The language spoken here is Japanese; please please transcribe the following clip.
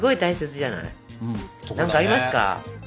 何かありますか？